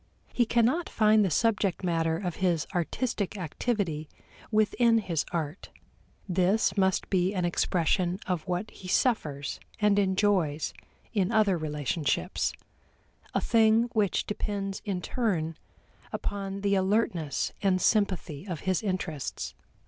He cannot find the subject matter of his artistic activity within his art; this must be an expression of what he suffers and enjoys in other relationships a thing which depends in turn upon the alertness and sympathy of his interests.